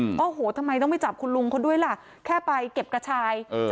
โอ้โหทำไมต้องไปจับคุณลุงเขาด้วยล่ะแค่ไปเก็บกระชายเออ